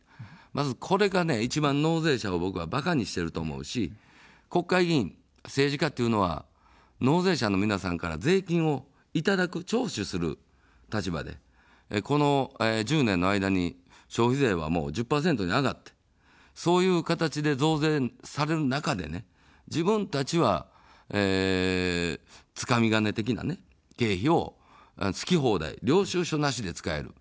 まずこれが一番、納税者を僕はバカにしてると思うし、国会議員、政治家というのは納税者の皆さんから税金をいただく、徴収する立場で、この１０年の間に消費税は１０％に上がって、そういう形で増税される中で、自分たちは、つかみ金的な経費を好き放題、領収書なしで使える。